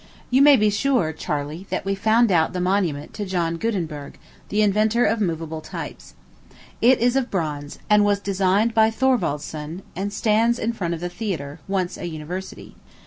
You may be sure, Charley, that we found out the monument to John Guttemberg, the inventor of movable types. It is of bronze, and was designed by Thorwaldsen, and stands in front of the Theatre, once a university.